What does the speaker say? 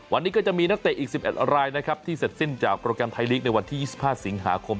วันนี้ก็จะมีนักเตะอีก๑๑รายนะครับที่เสร็จสิ้นจากโปรแกรมไทยลีกในวันที่๒๕สิงหาคม